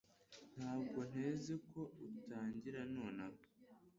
Ntabwo nteze ko utangira nonaha